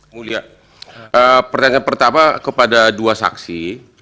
mulia pertanyaan pertama kepada dua saksi